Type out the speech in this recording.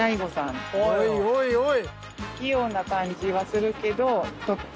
おいおいおい！